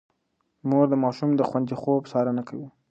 مور د ماشوم د خوندي خوب څارنه کوي.